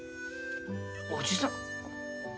おじさん。